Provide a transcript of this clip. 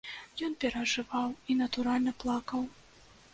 Ён перажываў і, натуральна, плакаў.